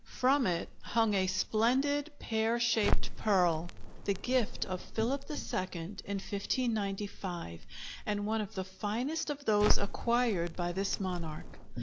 From it hung a splendid pear shaped pearl, the gift of Philip II in 1595, and one of the finest of those acquired by this monarch.